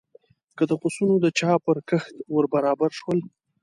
که د پسونو د چا پر کښت ور برابر شول.